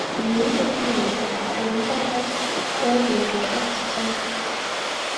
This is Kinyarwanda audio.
niyihe ndirimbo ukunda na rolling stones?